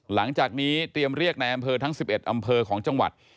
หลังจากนี้เตรียมเรียกในอำเภอทั้ง๑๑อำเภอของจังหวัด